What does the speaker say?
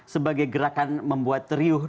sebagai gerakan membuat teriuh